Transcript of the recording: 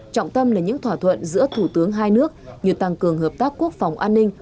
trọng tâm là những thỏa thuận giữa thủ tướng hai nước như tăng cường hợp tác quốc phòng an ninh